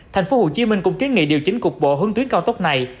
thành phố hồ chí minh cũng ký nghị điều chỉnh cục bộ hương tuyến cao tốc này